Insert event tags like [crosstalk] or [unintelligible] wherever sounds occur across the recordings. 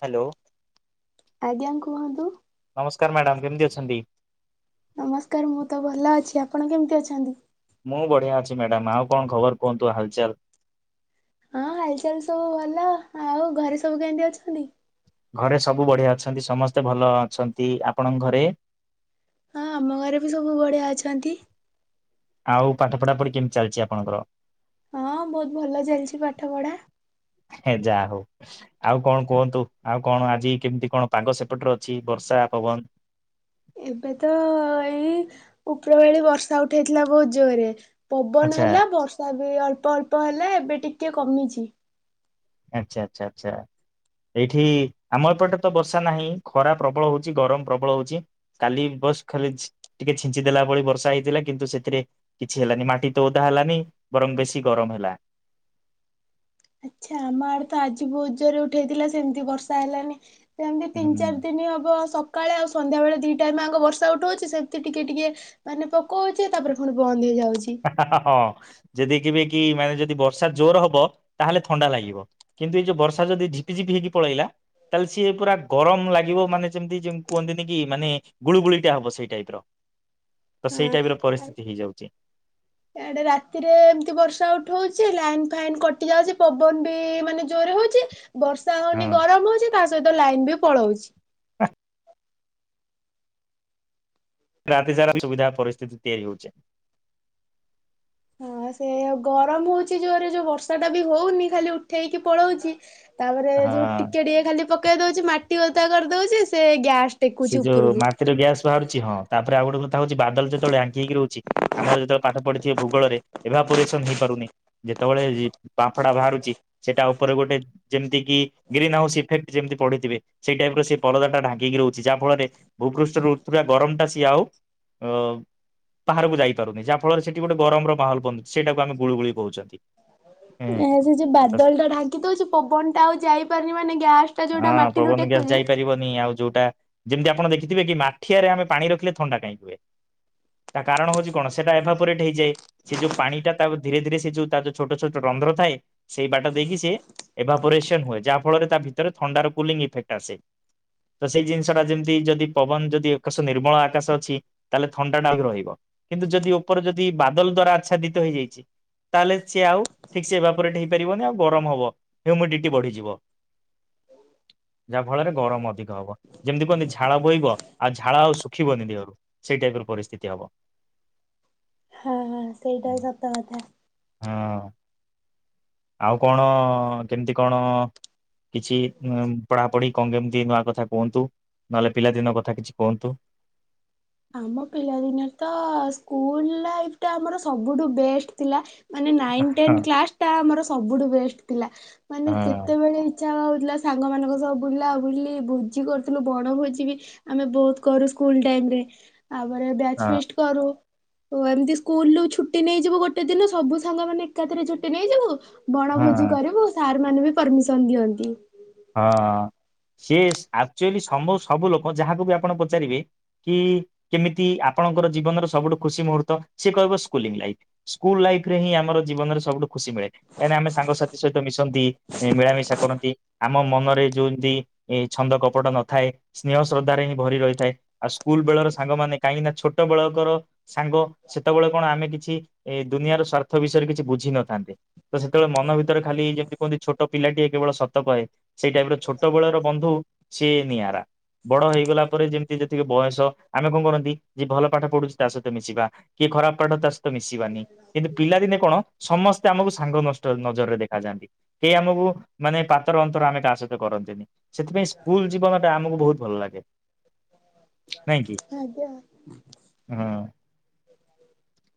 Hello. ଆଜ୍ଞା କୁହନ୍ତୁ। ନମସ୍କାର ମ୍ୟାଡ଼ାମ କେମିତି ଅଛନ୍ତି? ନମସ୍କାର ମୁଁ ତ ଭଲ ଅଛି ଆପଣ କେମିତି ଅଛନ୍ତି? ମୁଁ ବଢିଆ ଅଛି ମ୍ୟାଡାମ ଆଉ କଣ ଖବର କୁହନ୍ତୁ ହାଲଚାଲ ହଁ ହାଲଚାଲ ସବୁ ଭଲ ଆଉ ଘରେ ସବୁ କେମିତି ଅଛନ୍ତି? ଘରେ ସବୁ ବଢିଆ ଅଛନ୍ତି ସମସ୍ତେ ଭଲ ଅଛନ୍ତି ଆପଣଙ୍କ ଘରେ? ହଁ ଆମ ଘରେ ବି ସବୁ ବଢିଆ ଅଛନ୍ତି। ଆଉ ପାଠ ପଢା ପଢି କେମିତି ଚାଲିଚି ଆପଣଙ୍କର? ହଁ ବହୁତ ଭଲ ଚାଲିଚି ପାଠ ପଢା। ହେ ଯାହା ହଉ ଆଉ କଣ କୁହନ୍ତୁ ଆଉ କଣ ଆଜି କେମିତି କଣ ପାଗ ସେପଟରେ ଅଛି ବର୍ଷା ପବନ ଏବେ ତ ଏଇ ଉପର ବେଳି ବର୍ଷା ଉଠେଇଥିଲା ବହୁତ ଜୋରେ ପବନ ଆଚ୍ଛା ହେଲା ବର୍ଷା ବି ଅଳ୍ପ ଅଳ୍ପ ହେଲା ଏବେ ଟିକେ କମିଚି ଆଚ୍ଛା ଆଚ୍ଛା ଆଚ୍ଛା ଏଇଠି ଆମ ଏପଟେ ତ ବର୍ଷା ନାହିଁ ଖରା ପ୍ରବଳ ହଉଛି ଗରମ ପ୍ରବଳ ହଉଛି କାଲି ବସ୍ ଖାଲି ଛି ଟିକେ ଛିଞ୍ଚି ଦେଲା ଭଳି ବର୍ଷା ହେଇଥିଲା କିନ୍ତୁ ସେଥିରେ କିଛି ହେଲାନି ମାଟି ତ ଓଦା ହେଲାନି ବରଂ ବେଶୀ ଗରମ ହେଲା। ଆଚ୍ଛା ଆମ ଆଡେ ତ ଆଜି ବହୁତ ଜୋରେ ଉଠେଇଥିଲା ସେମିତି ବର୍ଷା ହେଲାନି ସେମିତି ତିନି ହୁଁ ଚାରି ଦିନ ହବ ସକାଳେ ଆଉ ସନ୍ଧ୍ୟାବେଳେ ଦି ଟାଇମ ଆଙ୍କ ବର୍ଷା ଉଠଉଚି ସେମିତି ଟିକେ ଟିକେ ମାନେ ପକଉଚି ତାପରେ ପୁଣି ବନ୍ଦ ହେଇଯାଉ ହଁ। ଯଦ କେବେ କି ମାନେ ଯଦି ବର୍ଷା ଜୋର ହବ ତାହେଲେ ଥଣ୍ଡା ଲାଗିବ କିନ୍ତୁ ଏଇ ଯୋଉ ବର୍ଷା ଯଦି ଝିପିଝିପି ହେଇକି ପଳେଇଲା ତାହେଲେ ସିଏ ପୁରା ଗରମ ଲାଗିବ ମାନେ ଯେମିତି ଯେମିତି କୁହନ୍ତିନି କି ମାନେ ଗୁଳୁଗୁଳିଟା ହବ ସେଇ ଟାଇପର। ତ ସେଇ ହଁ ଟାଇପ ର ପରିସ୍ଥିତି ହେଇଯାଉଚି। ଇଆଡେ ରାତିରେ ଏମିତି ବର୍ଷା ଉଠଉଚି ଲାଇନ ଫାଇନ୍ କଟି ଯାଉଚି ପବନ ବି ମାନେ ଜୋରେ ହଉଛି ବର୍ଷା ହଁ। ହଉନି ଗରମ ହଉଚି ତା ସହିତ ଲାଇନ୍ ବି ପଳଉଚି ରାତି ସାରା ସୁବିଧା ପରିସ୍ଥିତି ତିଆରି ହେଉଚି ହଁ ସେଇଆ ଗରମ ହଉଚି ଜୋରେ ଯୋଉ ବର୍ଷା ଟା ବି ହଉନି ଖାଲି ଉଠେଇକି ପଳଉଚି ତାପରେ ଯୋଉ ହଁ। ଟିକେ ଟିକିଏ ଖାଲି ପ ପକେଇ ଦଉଚି ମାଟି ଓଦା କରିଦଉଚି ସେ ଗ୍ୟାସ୍ ସେ ଯୋଉ ମାଟିର ଗ୍ୟାସ ବାହାରୁଛି ହଁ ତାପରେ ଆଉ ଗୋଟେ କଥା ହଉଛି ବାଦଲ ଯେତେବେଳେ ଆଙ୍କି ହେଇି ରହୁଛି, ଆମ ଯେତେବେଳେ ପାଠ ପଢିଥିବେ ଭୂଗଳରେ ଏଭପୋରେସନ ହେଇପାରୁନି, ଯେତେବେଳେ ବାମ୍ଫଡା ବାହାରୁଛି ସେଟା ଉପରେ ଗୋଟେ ଯେମିତି କି ଗ୍ରୀନ ହାଉସ୍ ଇଫେକ୍ଟ ଯେମିତି ପଢିଥିବେ ସେଇ ଟାଇମ ର ସେ ପରଦ ଟା ଢାଙ୍କ ଇଗନୋର ଯାହା ଫଳରେ ଭୂପୃଷ୍ଠରେ ରଥିବା ଗରମ ଟା ସିଏ ଆଉ ଅ ବାହାରକୁ ଯାଇପାରୁନି ଯାହା ଫଳରେ ସେଠି ଗୋଟେ ଗରମର ମାହୋଲ ବନ୍ଧୁଛି ସେଇଟାକୁ ଆମେ ଗୁଳୁ ଗୁଳି କହୁଛନ୍ତି ହୁଁ ଏ ସେ ଯୋଉ ତ ବାଦଲ ଟା ଢାଙ୍ଗି ଦଉଛି, ପବନ ଟା ଆଉ ଯାଇପାରୁନି ମାନେ ଗ୍ୟାସ ଟା ହଁ ଯୋଉଟା ମାଟିରୁ ପବନ ଗ୍ୟାସ ଟେକୁଛି ଯାଇପାରିବନି ଆଉ ଯୋଉଟା ଯେମିତି ଆପଣ ଦେଖିଥିବେ କି ମାଠିଆରେ ଆମେ ପାଣି ରଖିଲେ ଥଣ୍ଡା କାହିଁକି ହୁଏ, ତା କାରଣ ହଉଛି କଣ ସେଟା ଏଭାାବୋରେଟ୍ ହେଇଯାଏ, ସେ ଯୋଉ ପାଣି ଟା ତା ଧୀରେ ଧୀରେ ସେ ଯୋଉ ତା ଯୋଉ ଛୋଟ ଛୋଟ ରନ୍ଧ୍ର ଥାଏ, ସେଇ ବାଟ ଦେଇକି ସେି ଏଭାବୋରେସନ ହୁଏ, ଯାହା ଫଳ ତା ଭିତରେ ଥଣ୍ଡାର କୁଲିଙ୍ଗ ଇଫେକ୍ଟ ଆସେ ତ ସେଇ ଜିନିଷ ସେଟା ଯେମିତି ଯଦି ପବନ ଯଦି ଏକଶ ନିର୍ମଳ ଆକାଶ ଅଛି ତାହେଲେ ଥଣ୍ଡା ଟା ବି ରହିବ କିନ୍ତୁ ଯଦି ଉପରେ ଯଦି ବାଦଲ ଦ୍ଵାରା ଆଚ୍ଛାଦିତ ହେଇଯାଇଛି, ତାହେଲେ ସିଏ ଆଉ ଠିକ ସେ ବାପରେଟ ହେଇପାରିବନି ଆଉ ଗରମ ହବ, ହ୍ୟୁମିଡିଟି ବଢିଯିବ ଯାହା ଫଳରେ ଗରମ ଅଧିକ ହବ ଯେମିତି କୁହନ୍ତି ଝାଳ ବୋହିବ, ଆଉ ଝାଳ ଆଉ ଶୁଖିବନି ଦେହରୁ ସେଇ ଟାଇପ ର ପରିସ୍ଥିତି ହବ ହ ସେଇଟା ହ ସତା ଗଥା ହଁ ଆଉ କଣ--କେମିତି କଣ କିଛି ଉ ପଢାପଢି? କଣ କେମିତି ନୂଆ କଥା କୁହନ୍ତୁ ନହେଲେ ପିଲାଦିନ କଥା କିଛି କୁହନ୍ତୁ ଆମ ପିଲାଦିନ ତ ସ୍କୁଲ ଲାଇଫ ଟା ଆମର ସବୁଠୁ ବେଷ୍ଟ ଥିଲା ମାନେ ନାଇନ ହଁ ଟେନ କ୍ଲାସ ଟା ଆମର ସବୁଠୁ ବେଷ୍ଟ ଥିଲା, ମାନେ ହଁ ଯେତେବେଳେ ଇଛା ହଉ ଥିଲା ସାଙ୍ଗମାନଙ୍କ ସହବ ବୁଲା ବୁଲି ଭୋଜି କରୁଥିଲୁ ବଣଭୋଜି ବି ଆମେ ବହୁତ କରୁ ସ୍କୁଲ ଟାଇମ ରେ ତାପରେ ବ୍ୟାଚ ହଁ ଫିଷ୍ଟ କରୁ ଓ ଏମିତି ସ୍କୁଲୁ ଛୁଟି ନେଇଯିବୁ ଗୋଟେ ଦିନ ସବୁ ସାଙ୍ଗ ମାନେ ଏକାଥରେ ଛୁଟି ନେଇଯିବୁ ହଁ। ବଣଭୋଜି କରିବୁ ସାର ସେମାନେ ବି ପରମିସନ ଦିଅନ୍ତି ହଁ ସି ଆକ୍ଚୁଆଲି ସବୁ ସବୁ ଲୋକ ଯାହାକୁ ବି ଆପଣ ପଚାରିବେ କି କେମିତି ଆପଣଙ୍କର ଜୀବନର ସବୁଠୁ ଖୁସି ମୁହୂର୍ତ୍ତ ସି କହିବ ସ୍କୁଲିଂ ଲାଇଫ, ସ୍କୁଲ ଲାଇଫ ରେ ହିଁ ଆମର ଜୀବନରେ ସବୁଠୁ ଖୁସି ମିଳେ କାହିଁକିନା ଆମେ ସାଙ୍ଗସାଥି ସହିତ ମିଶନ୍ତି, ମିଳାମିଶା କରନ୍ତି ଆମ ମନରେ ଯୋମିତି ଏ ଛନ୍ଦ କପଟ ନଥାଏ, ସ୍ନେହ ଶ୍ରଦ୍ଧାରେ ହିଁ ଭରି ରହିଥାଏ, ଆଉ ସ୍କୁଲ ବେଳର ସାଙ୍ଗମାନୋନେ କାହିଁକି ନା ଛୋଟ ବେଳକର ସାଙ୍ଗ ସେତେବେଳେ କଣ ଆମେ କିଛି ଏ ଦୁନିଆର ସ୍ଵାର୍ଥ ବିଷୟରେ କିଛି ବୁଝିିନଥାନ୍ତେ ତ ସେତେବେଳେ ମନ ଭିତରେ ଖାଲି ଯେମିତି କୁହନ୍ତି ଛୋଟ ପିଲାଟିଏ କେବଳ ସତ କହେ ସେଇ ଟାଇପ ର ଛୋଟ ବେଳର ବନ୍ଧୁ ସିଏ ନିଆରା ବଡ ହେଇଗଲା ପରେ ଯେମିତି ଯେତିକି ବୟସ ଆମେ କଣ କରନ୍ତି ଯ ଭଲ ପାଠ ପଢୁଛି ତା ସହିତ ମିଶିବା, କି ଖରାପ ପାଠ ତା ସହିତ ମିଶିବାନି କିନ୍ତୁ ପିଲାଦିନେ କଣ ସମସ୍ତେ ଆମକୁ ସାଙ୍ଗ ନଷ୍ଟ ନଜରରେ ଦେଖାଯାଆନ୍ତି କେହି ଆମକୁ ମାନେ ପାତର ଅନ୍ତ ଆମେ କାହା ସହିତ କରନ୍ତିନି ସେଥିପାଇଁ ସ୍କୁଲ ଯିବା ଆମକୁ ବହୁତ ଭଲ ଲାଗେ ନାଇଁ କି ଆଜ୍ଞା ହଁ।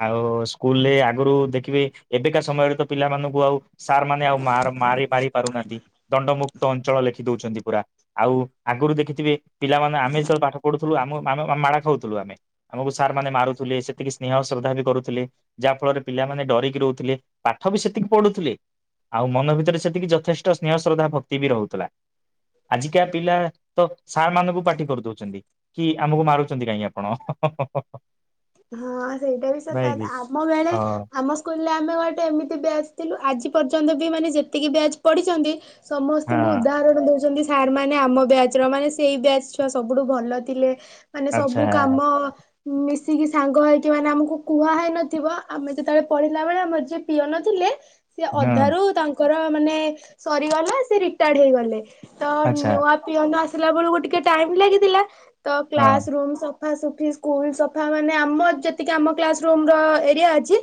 ଆଉ ସ୍କୁଲରେ ଆଗରୁ ଦେଖିବେ ଏବେକା ସମୟରେ ତ ପିଲାମାନଙ୍କୁ ଆଉ ସାର୍ ମାନେ ଆଉ ମାର ମାରି ମାରି ପାରୁନାହାନ୍ତି ଦଣ୍ଡ ମୁୁକ୍ତ ଅଞ୍ଚଳ ଲେଖି ଦଉଛନ୍ତି ପୁରା ଆଉ ଆଗରୁ ଦେଖିଥିବେ, ପିଲାମାନେ ଆମେ ଯେତେବେଳେ ପାଠ ପଢୁଥିଲୁ ଆମ ମାଡ଼ ଖାଉଥିଲୁ, ଆମେ ଆମକୁ ସାର୍ ମାନେ ମାରୁଥିଲେ ସେତିକି ସ୍ନେହ ଶ୍ରଦ୍ଧା ବି କରୁଥିଲେ, ଯାହା ଫଳରେ ପିଲାମାନେ ଡରିକି ରହୁଥିଲେ ପାଠ ବି ସେତିକି ପଢୁଥିଲେ ଆଉ ମନ ଭିତରେ ସେତିକି ଯଥେଷ୍ଟ ସ୍ନେହ ଶ୍ରଦ୍ଧା ଭକ୍ତି ବି ରହୁଥିଲା ଆଜିକା ପିଲା ତ ସାର୍ ମାନଙ୍କୁ ପାଟି କରି ଦଉଛନ୍ତି କି ଆମକୁ ମାରୁଛନ୍ତି କାହିଁକି ଆପଣ ହଁ ସେଇଟା ବି ସତ ନାଇଁ କି ଆମ ବେଳେ ହଁ ଆମ ସ୍କୁଲ ହେଲେ ଆମେ ଗୋଟେ ଏମିତି ବ୍ୟାଜ ଥିଲୁ ଆଜି ପର୍ଯ୍ୟନ୍ତ ବି ମାନେ ଯେତିକି ବ୍ୟାଜ ପଢ଼ିଛନ୍ତି ସମସ୍ତଙ୍କୁ ହଁ। ଉଦାହରଣ ଦଉଛନ୍ତି ସାର୍ ମାନେ ଆମ ବ୍ୟାଚ୍ ର ମାନେ ସେଇ ବ୍ୟାଚ୍ ଛୁଆ ସବୁଠୁ ଭଲ ଥିଲେ ମାନେ ଆଚ୍ଛା ସବୁ କାମ ମିଶି କିି ସାଙ୍ଗ ହେଇକି ମାନେ ଆମକୁ କୁହା ହେଇ ନଥିବ ଆମେ ଯେତେବେଳେ ପଢିଲା ବେଳେ ଆମର ଯିଏ ପିଅନ ଥିଲେ ସେ ହଁ ଅଧାରୁ ତାଙ୍କୁ ର ମାନେ ସରିଗଲା ସେ ରିଟାୟାର୍ଡ ହେଇଗଲେ ତ ଆଚ୍ଛା ନୂଆ ପିଅନ ଆସି ସି ବେଳକୁ ଟିକେ ଟାଇମ ଲାଗିଥିଲା ତ ହଁ କ୍ଲାସ ରୁମ୍ ସ ସଫା ସଫି ସ୍କୁଲ ସପ ସଫା ମାନେ ଆମ ଯେତିକି ଆମ କ୍ଲାସ ରୁମ ର ଏରିଆ ଅଛି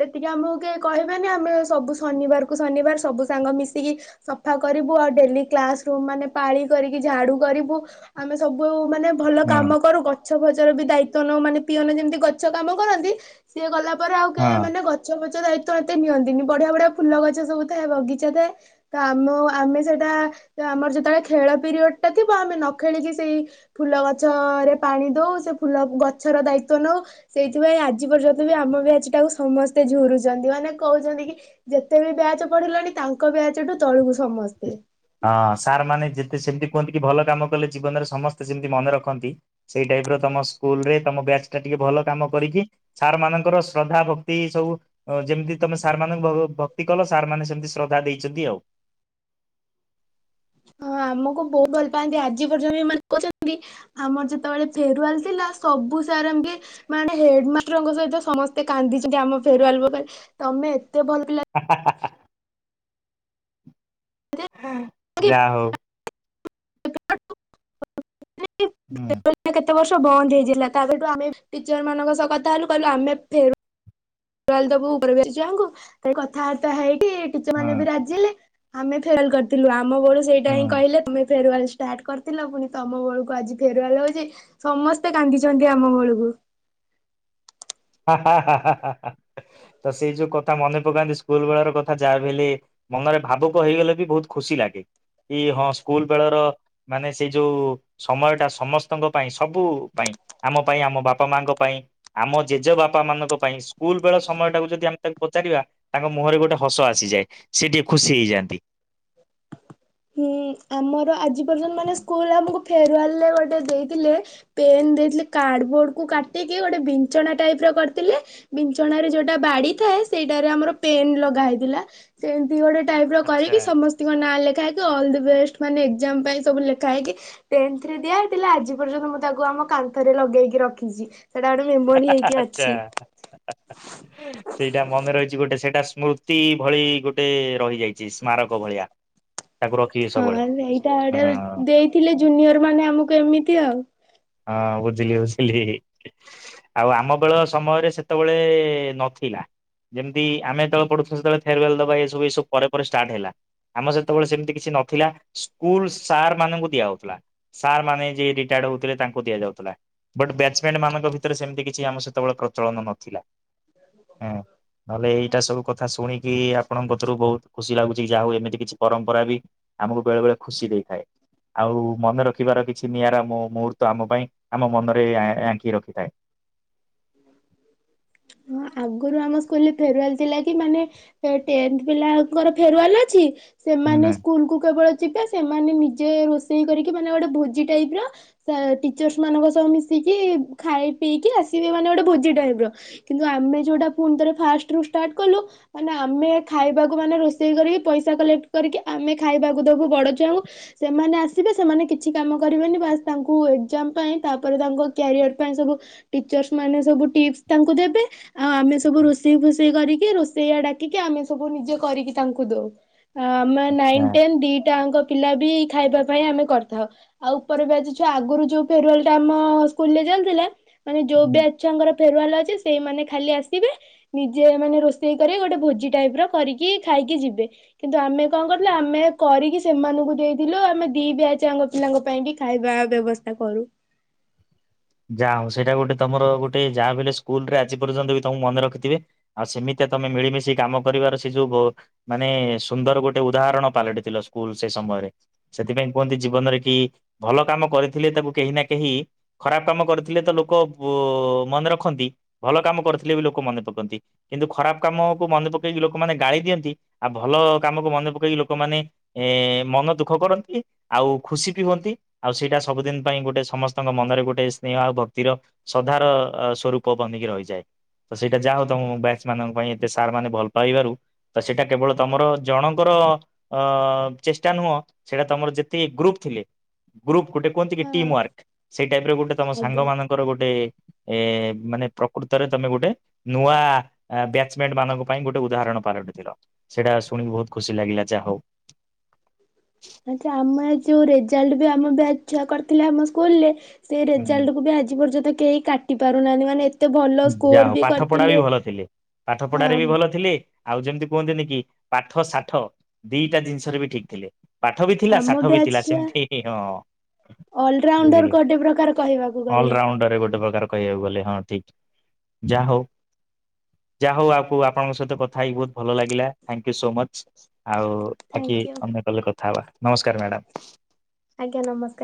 ସେତିକି ଆମକୁ କିଏ କହିବାନି ଆମେ ସବୁ ଶନିବାରକୁ ଶନିବାର ସବୁ ସାଙ୍ଗ ମିଶିକି ସଫା କରିବୁ ଆଉ ଡେଲି କ୍ଲାସ ରୁମ୍ ମାନେ ପାଳି କରିକି ଝାଡ଼ୁ କରିବୁ ଆମେ ସବୁ ଉ ମାନେ ଭଲ ହଁ କାମ କରୁ ଗ ଗଛ ଫଚ ର ବି ଦାୟିତ୍ୱ ନେଉ ମାନେ ପିଅନ ଯେମିତି ଗଛ କାମ କରନ୍ତି ସିଏ ଗଲା ପରେ ଆଉ କେହି ହଁ। ମାନେ ଗଛ ଫ ତ ଦାୟିତ୍ବ ଏତେ ନିଅନ୍ତିନି ବଢିଆ ବଢିଆ ଫୁଲ ଗଛ ସବୁ ଥାଏ ବଗିଚା ଥାଏ ତ ଆମ ଆମେ ସେଇଟା ଆମର ଯେତେବେଳେ ଖେଳ ପିରିୟଡ ଟା ଥିବ ଆମେ ନ ଖେଳିକି ସେଇ ଫୁଲ ଗଛରେ ପାଣି ଦଉ ସେ ଫୁଲ ଗଛର ଦାୟିତ୍ବ ତ ନଉ ସେଇଥିପାଇଁ ଆଜି ପର୍ଯ୍ୟନ୍ତ ବି ଆମ ବ୍ୟାଜ ଟାକୁ ସମସ୍ତେ ଝୁରୁଛନ୍ତି। ମାନେ କହୁଛନ୍ତି କି ଯେତେ ବି ବ୍ୟାଜ ପଢିଲାଣି ତାଙ୍କ ବ୍ୟାଜଠୁ ତଳକୁ ସମସ୍ତେ ହଁ ସାର୍ ମାନେ ଯେତେ ସେମତି କୁହନ୍ତି କି ଭଲ କାମ କଲେ ଜୀବନରେ ସମସ୍ତେ ଯେମିତି ମନେ ରଖନ୍ତି ସେଇ ଟାଇପ ର ତମ ସ୍କୁଲରେ ତମ ବ୍ୟାଚ୍ ଟା ଟିକେ ଭଲ କାମ କରିକି ସାର୍ ମାନଙ୍କର ଶ୍ରଦ୍ଧା ଭକ୍ତି ସବୁ ଯେମିତି ତମେ ସାର୍ ମାନଙ୍କୁ ଭ-ଭକ୍ତି କଲ ସାର୍ ମାନେ ସେମିତି ଶ୍ରଦ୍ଧା ଦେଇଛନ୍ତି ଆଉ। ହଁ ଆମକୁ ବହୁତ ଭଲ ପାଆନ୍ତି ଆଜି ପର୍ଯ୍ୟନ୍ତ ଏମାନେ କହୁଛନ୍ତି ଆମର ଯେତେବେଳେ ଫେରୁୱଲ ଥିଲା ସବୁ ସାର୍ ଆମେ ମାନେ ହେଡମାଷ୍ଟରଙ୍କ ସହିତ ସମସ୍ତେ କାନ୍ଦିଛନ୍ତି ଆମ ଫେରୁୱଲ ବେଳେ ତମେ ଭଲ ପିଲା ହା ହା ହା ହା ଯାହା ହଉ। ହୁଁ [unintelligible] କେତେ ବର୍ଷ ବନ୍ଦ ହେଇଯାଇଥିଲା ତାପର ଠୁ ଆମେ ଟିଚର ମାନଙ୍କ ସହ କଥା ହେଲୁ କିହିଲୁ ଆମେ ଫେର ୱାଲ ଦବୁ ଉପର ବ୍ୟାଚ ଛୁଆଙ୍କୁ ତେ କଥାବାର୍ତ୍ତା ହେଇକି କି ଟିଚର ହୁଁ ମାନେ ବି ରାଜିହେଲେ ଆମେ ଫେଲ୍ କରିଥିଲୁ ଆ ମ ବୋଳୁ ସେଇଟା ହିଁ କହିଲେ ତୁମେ ଫେରୁୱଲ ଷ୍ଟାର୍ଟ କରିଥିଲ ପୁଣି ତମ ବେଳକୁ ଆଜି ଫେରୁୱଲ ହଉଚି ସମସ୍ତେ କାନ୍ଦିଛନ୍ତି ଆମ ବଳକୁ। ହା ହା ହା ହା ହା ହା ତ ସେଇ ଯୋଉ କଥା ମନେ ପକାନ୍ତି ସ୍କୁଲ ବେଳର କଥା ଯାହା ବି ହେଲେ ମନରେ ଭାବୁକ ହେଇଗଲେ ବି ବହୁତ ଖୁସି ଲାଗେ କି ହଁ ସ୍କୁଲ ବେଳର ମାନେ ସେଇ ଯୋଉ ସମୟ ଟା ସମସ୍ତଙ୍କ ପାଇଁ ସବୁ ପାଇଁ ଆମ ପାଇଁ ଆମ ବାପା ମାଙ୍କ ପାଇଁ ଆମ ଜେଜେ ବାପା ମାନଙ୍କ ପାଇଁ ସ୍କୁଲ ବେଳ ସମୟ ଟାକୁ ଯଦି ଆମେ ତାକୁ ପଚାରିବା ତାଙ୍କ ମୁହଁରେ ଗୋଟେ ହସ ଆସିଯାଏ ସେ ଟିକେ ଖୁସି ହେଇଯାଆନ୍ତି। ହୁଁ ଆମର ଆଜି ପର୍ଯ୍ୟନ୍ତ ମାନେ ସ୍କୁଲ ଆମକୁ ଫେରୁୱେଲ ରେ ଗୋଟେ ଦେଇଥିଲେ ପେନ୍ ଦେଇଥିଲେ କାର୍ଡବୋର୍ଡ କୁ କାଟିକି ଗୋଟେ ବିଞ୍ଛଣା ଟାଇପ ର କରିଥିଲେ ବିଞ୍ଛଣା ରେ ଯୋଉଟା ବାଡି ଥାଏ ସେଇଟାରେ ଆମର ପେନ୍ ଲଗା ହେଇଥିଲା ସେଏଁତି ଗୋଟେ ଟାଇପ ର ଆଚ୍ଛା କରିକି ସମସ୍ତଙ୍କ ନାଁ ଲେଖା ହେଇ ତ ଅଲ୍ ଦ ବେଷ୍ଟ ମାନେ ଏକ୍ଜାମ ପାଇଁ ସବୁ ଲେଖା ହେଇକି ଟେନ୍ଥ ରେ ଦିଆହେଇଥିଲା ଆଜି ପର୍ଯ୍ୟନ୍ତ ମୁଁ ତାକୁ ଆମ କାନ୍ଥରେ ଲଗେଇକି ରଖିଛି। ସେଟା ଗୋଟେ ହା ମେମୋରି ହା ହା ହେଇକି ଆଛା ଅଛି। ସେଇଟା ମନେ ରହିଛି ଗୋଟେ ସେଇଟା ସୁ ସ୍ମୃତି ଭଳି ଗୋଟେ ରହିଯାଇଛି। ସ୍ମାରକ ଭଳିଆ ତାକୁ ରଖିବେ ସବୁବେଳେ ହଁ ସେଇଟା ଗୋଟେ ହଁ। ଦେଇଥିଲେ ଜୁନିୟର ମାନେ ଆମକୁ ଏମିତି ଆଉ। ହଁ ବୁଝିଲି ବୁଝିଲି ଆଉ ଆମ ବେଳ ସମୟରେ ସେତେବେଳେ ନଥିଲା ଯେମିତି ଆମେ ଯେତେବେଳେ ପଢୁଥିଲ ସେତେବେଳେ ଫେରୱେଲ ଦବା ଏ ସବୁ ଏ ସବୁ ପରେ ପରେ ଷ୍ଟାର୍ଟ ହେଲା ଆମ ସେତେବେଳେ ସେମିତି କିଛି ନଥିଲା ସ୍କୁଲ ସାର୍ ମାନଙ୍କୁ ଦିଆ ହଉଥିଲା ସାର୍ ମାନେ ଯିଏ ରିଟାୟାର୍ଡ ହଉଥିଲେ ତାଙ୍କ ଦିଆ ଯାଉଥିଲା ବଟ୍ ବ୍ୟାଚ୍ ମେଣ୍ଟ ମାନଙ୍କ ଭିତରେ ସେମିତି କିଛି ଆମ ସେତେବେଳେ ପ୍ରଚଳନ ନଥିଲା ଉ ନହେଲେ ଏଇଟା ସବୁ କଥା ଶୁଣିକି ଆପଣଙ୍କରୁ ବହୁତ ଖୁସି ଲାଗୁଛି ଯାହା ହଉ ଏମିତି କିଛି ପରମ୍ପରା ବି ଆମକୁ ବେଳେ ବେଳେ ଖୁସି ଦେଇଥାଏ। ଆଉ ମନେ ରଖିବାର କିଛି ନିଆରା ମୋ ମୁହୂର୍ତ୍ତ ତ ଆମ ପାଇଁ ଆମ ମନରେ ଆଙ୍କି ରଖିଥାଏ। ହଁ ଆଗରୁ ଆମ ସ୍କୁଲରେ ଫେରୁୱେଲ ଥିଲା କି ମାନେ ଟେନ୍ଥ ପିଲାଙ୍କର ଫେରୁୱେଲ ଅଛି। ସେମାନେ ହୁଁ ସ୍କୁଲ କୁ କେବଳ ଯିବେ ସେମାନେ ନିଜେ ରୋଷେଇ କରିକି ମାନେ ଗୋଟେ ଭୋଜି ଟାଇପ ର ଟିଚର୍ସ ମାନଙ୍କ ସହ ମିଶିକି ଖାଇ ପିଇକି ଆସିବେ ମାନେ ଗୋଟେ ଭୋଜି ଟାଇପ କିନ୍ତୁ ଆମେ ଯୋଉଟା ପୁଣି ଥରେ ଫାର୍ଷ୍ଟ ରୁ ଷ୍ଟାର୍ଟ କଲୁ ମାନେ ଆମେ ଖାଇବାକୁ ମାନେ ରୋଷେଇ କରି ପଇସା କଲେକ୍ଟ କରିକି ଆମେ ଖାଇବାକୁ ଦବୁ ବଡ ଛୁଆଙ୍କୁ ସେମାନେ ଆସିବେ ସେମାନେ କିଛି କାମ କରିବେନି ବାସ୍ ତାଙ୍କୁ ଏକ୍ଜାମ ପାଇଁ ତାପରେ ତାଙ୍କ କ୍ୟାରିଅର ପାଇଁ ସବୁ ଟିଚର୍ସ ମାନେ ସବୁ ଟିପ୍ସ ତାଙ୍କୁ ଦେବେ। ଆଉ ଆମେ ସବୁ ରୋଷେଇ ଫୋଷେଇ କରି କି ରୋଷେଇଆ ଡାକିକି ଆମେ ସବୁ ନିଜେ କରିକି ତାଙ୍କୁ ଦଉ। ଅ ଆମେ ଆଚ୍ଛା। ନାଇନ୍ ଟେନ୍ ଦିଟାଙ୍କ ପିଲା ବି ଖାଇବା ପାଇଁ ଆମେ କରିଥାଉ ଆଉ ଉପର ବେଚ ଛୁଆ ଆଗରୁ ଯୋଉ ଫେରୱେଲ ଟା ଆମ ସ୍କୁଲରେ ଚାଲିଥିଲା। ମାନେ ଯୋଉ ବ୍ୟାଚ ଛୁଆଙ୍କର ଫେରୁୱଲ ଅ ଚି ସେଇମାନେ ଖାଲି ଆସିବେ ନିଜେ ମାନେ ରୋଷେଇ କରି ଗୋଟେ ଭୋଜି ଟାଇପ ର କରିକି ଖାଇକି ଯିବେ କିନ୍ତୁ ଆମେ କଣ କରଥିଲୁ ଆମେ କରିକି ସେମାନଙ୍କୁ ଦେଇଥିଲୁ ଆମେ ଦି ବେଚ ଛୁଆ ଙ୍କ ପିଲାଙ୍କ ପାଇଁକି ଖାଇବା ବ୍ୟବସ୍ଥା କରୁ। ଯା ହଉ ସେଇଟା ଗୋଟେ ତମର ଗୋଟେ ଯାହା ବି ହେଲେ ସ୍କୁଲରେ ଆଜି ପର୍ଯ୍ୟନ୍ତ ବି ତମକୁ ମନେ ରଖିଥିବେ ଆଉ ସେମିତିଆ ତମେ ମିଳିମିଶି କାମ କରିବାର ଅଛି ଯୋଉ ମାନେ ସୁନ୍ଦର ଗୋଟେ ଉଦାହରଣ ପାଲଟିଥିଲ ସ୍କୁଲ ସେ ସମୟରେ ସେଥିପାଇଁ କୁହନ୍ତି ଜୀବନରେ କି ଭଲ କାମ କରିଥିଲେ ତାକୁ କେହି ନା କେହି ଖରାପ କାମ କରିଥିଲେ ତ ଲୋକ ମନେ ରଖନ୍ତି ଭଲ କାମ କରିଥିଲେ ବି ଲୋକ ମନେ ପକାନ୍ତି କିନ୍ତୁ ଖରାପ କାମକୁ ମନେ ପକେଇକି ଲୋକମାନେ ଗାଳି ଦିଅନ୍ତି ଆଉ ଭଲ କାମକୁ ମନେ ପକେଇକି ଲୋକମାନେ ଏ ମନ ଦୁଃଖ କରନ୍ତି ଆଉ ଖୁସି ବି ହୁଅନ୍ତି ଆଉ ସେଇଟା ସବୁଦିନ ପାଇଁ ଗୋଟେ ସମସ୍ତଙ୍କ ମନରେ ଗୋଟେ ଗୋଟେ ସ୍ନେହ ଆଉ ଭକ୍ତିର ଶ୍ରଦ୍ଧାର ସ୍ୱରୂପ ବନିକି ରହିଯାଏ ତ ସେଇଟା ଯାହା ହଉ ତମ ବ୍ୟାଚ ମାନଙ୍କ ପାଇଁ ଏତେ ସାର୍ ମାନେ ଭଲ ପାଇବାରୁ ତ ସେଇଟା କେବଳ ତମର ଜଣଙ୍କର ଅ ଚେଷ୍ଟା ନୁହଁ ସେଟା ତମର ଯେତିକି ଗ୍ରୁପ ଥିଲେ। ଗ୍ରୁପ ଗୋଟେ କୁହନ୍ତି କି ଟିମ୍ ୱାର୍କ ସେଇ ଗୋଟେ ତମ ଆଜ୍ଞା। ସାଙ୍ଗମାନଙ୍କର ଗୋଟେ। ଏ ଏ ମାନେ ପ୍ରକୃତରେ ତମେ ଗୋଟେ ନୂଆ ବ୍ୟାଚମେଣ୍ଟ ମାନଙ୍କ ପାଇଁ ଗୋଟେ ଉଦାହରଣ ପାଲଟିଥିଲ ସେଇଟା ଶୁଣି ବହୁତ ଖୁସି ଲାଗିଲା ଯା ହଉ। ଆଚ୍ଛା ଆମେ ଯୋଉ ରେଜଲ୍ଟ ବି ଆମ ବ୍ୟାଚ ଛୁଆ କରିଥିଲେ ଆମ ସ୍କୁଲରେ ସେଇ ହଉ। ରେଜଲ୍ଟ କୁ ବି ଆଜି ପର୍ଯ୍ୟନ୍ତ କେହି କାଟି ପାରୁନାହାନ୍ତି ମାନେ ଏ ଯା ହଉ ପାଠ ପଢା ବି ଭଲ ଥିଲେ ପାଠ ପଢାରେ ବି ହଁ ଭଲ ଥିଲେ। ଆଉ ଯେମିତି କୁହନ୍ତି ନି କି ପାଠ ସାଠ ଦିଟା ଜିନିଷରେ ବି ଠିକ୍ ଥିଲେ। ପାଠ ବି ଥିଲା ଆମ ସାଠ ବି ବ୍ୟାଚ୍ ଥିଲା ଛୁଆ ସେମିତି ହଁ ଅଲରାଉଣ୍ଡର ବୁଝିଲି ଗୋଟେ ପ୍ରକାର କହିବାକୁ ଗଲେ ଅଲରାଉଣ୍ଡର ଗୋଟେ ପ୍ରକାର କହିବାକୁ ଗଲେ ହଁ ଯା ହଉ ଯା ହଉ ଆକୁ ଆପଣଙ୍କ ସହିତ କଥା ହେଇ ବହୁତ ଭଲ ଲାଗିଲା ଥ୍ୟାଙ୍କ ୟୁ ସୋ ମଂଚ। ଆଉ ବାକି ଥ୍ୟାଙ୍କ ୟୁ ଅନ୍ୟ କଲରେ କଥା ହବା। ନମସ୍କାର ମ୍ୟାଡ଼ମ୍। ଆଜ୍ଞା ନମସ୍କାର।